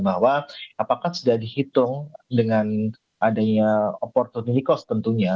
bahwa apakah sudah dihitung dengan adanya opportund unicos tentunya